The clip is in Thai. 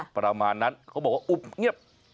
ประมาณนั้นเขาบอกว่าอุบเงียบ